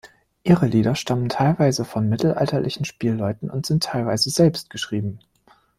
Ihre Lieder stammen teilweise von mittelalterlichen Spielleuten und sind teilweise selbst geschrieben.